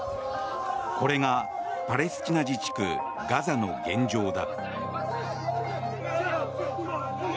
これがパレスチナ自治区ガザの現状だ。